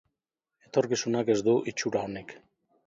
Etorkizunak ez du itxura onik.